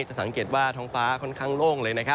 จะสังเกตว่าท้องฟ้าค่อนข้างโล่งเลยนะครับ